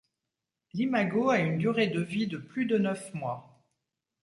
L'imago a une durée de vie de plus de neuf mois.